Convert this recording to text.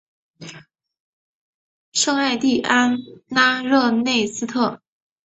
圣艾蒂安拉热内斯特。